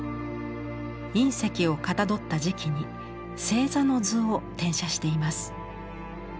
隕石をかたどった磁器に星座の図を転写しています。